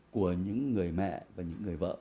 của những người mẹ và những người vợ